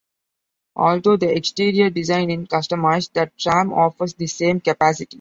Although the exterior design is customized, the tram offers the same capacity.